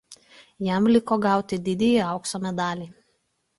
Jam liko gauti didįjį aukso medalį.